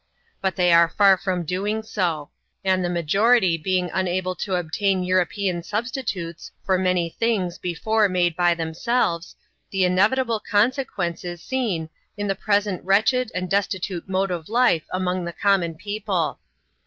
But they are far from doing so ; and the majority being unable to obtain European substi tutes for many things before made by themselves, the inevitable consequence is seen in the present wretched and destitute mode of life among the common people.